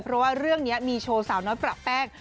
เพราะว่าเรื่องนี้มีโชว์สาวน้อยประแป้ง